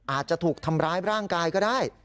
อาจจะถูกทำร้ายร่างกายก็ได้